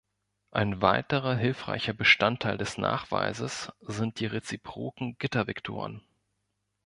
Ein weiterer hilfreicher Bestandteil des Nachweises sind die „reziproken Gittervektoren“.